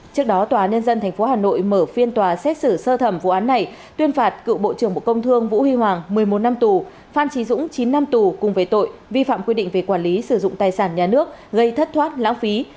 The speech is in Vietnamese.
trước đó tòa nhân dân tp hà nội mở phiên tòa xét xử sơ thẩm vụ án này tuyên phạt cựu bộ trưởng bộ công thương vũ huy hoàng một mươi một năm tù phan trí dũng chín năm tù cùng với tội vi phạm quy định về quản lý sử dụng tài sản nhà nước gây thất thoát lãng phí